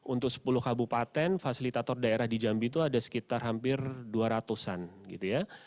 untuk sepuluh kabupaten fasilitator daerah di jambi itu ada sekitar hampir dua ratus an gitu ya